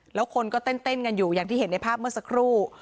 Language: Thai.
แล้วคนก็เต้นกันอยู่อย่างที่เห็นในภาพเมื่อสักครู่